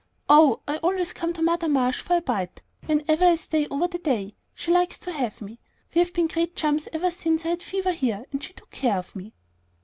"Oh, I always come to Mother Marsh for a bite whenever I stay over the day. She likes to have me. We've been great chums ever since I had fever here, and she took care of me."